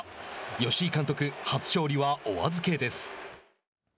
吉井監督初勝利はお預けです。